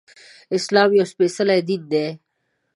اسلام يو سپيڅلی دين دی